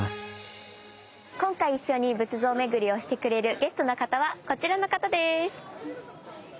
今回一緒に仏像巡りをしてくれるゲストの方はこちらの方です。